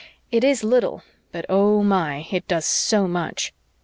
It is little, but oh my, it does so much.